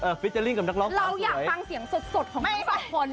เราอยากฟังเสียงสดของทุกคน